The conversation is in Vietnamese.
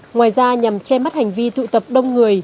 ngoài ra nhằm che mắt hành vi tụ tập đông người